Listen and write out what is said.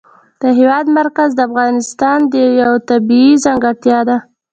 د هېواد مرکز د افغانستان یوه طبیعي ځانګړتیا ده.